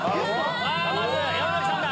まず山さんだ！